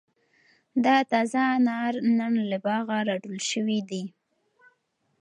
دا تازه انار نن له باغه را ټول شوي دي.